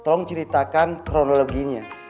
tolong ceritakan kronologinya